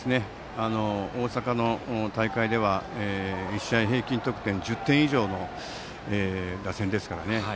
大阪の大会では１試合平均得点１０点以上の打線ですからね。